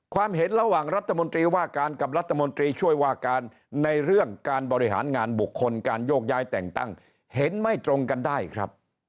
ความเห็นระหว่างรัฐมนตรีว่าการกับรัฐมนตรีช่วยว่าการในเรื่องการบริหารงานบุคคลการโยกย้ายแต่งตั้งเห็นไม่ตรงกันได้ครับ